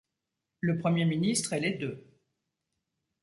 Le Premier ministre est les deux.